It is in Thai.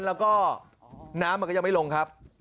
แล้วก็น้ำมันก็ยังไม่ลงครับ